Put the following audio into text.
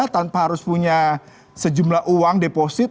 tanpa harus punya sejumlah uang deposit